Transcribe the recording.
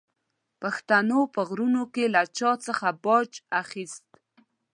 پښتنو په غرونو کې له چا څخه باج اخیست.